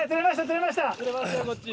釣れましたよこっち。